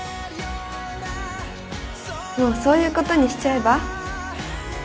もうそういうことにしちゃえば？